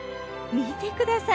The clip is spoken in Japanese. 見てください